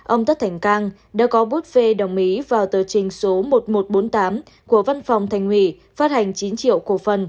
ông tất thành cang đã có bút phê đồng ý vào tờ trình số một nghìn một trăm bốn mươi tám của văn phòng thành ủy phát hành chín triệu cổ phần